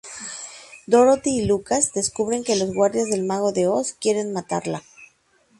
Dorothy y Lucas descubren que los guardias del Mago de Oz quieren matarla.